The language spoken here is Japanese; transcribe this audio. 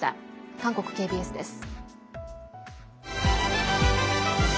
韓国ＫＢＳです。